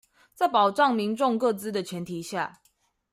在保障民眾個資的前提下